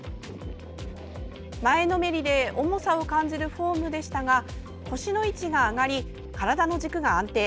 前のめりで重さを感じるフォームでしたが腰の位置が上がり、体の軸が安定。